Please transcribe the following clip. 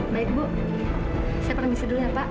baik bu saya permisi dulu ya pak